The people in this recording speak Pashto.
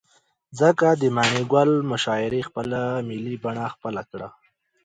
ځكه د مڼې گل مشاعرې خپله ملي بڼه خپله كړه.